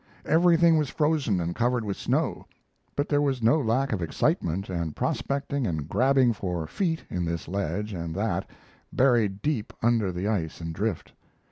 Everything was frozen and covered with snow; but there was no lack of excitement and prospecting and grabbing for "feet" in this ledge and that, buried deep under the ice and drift.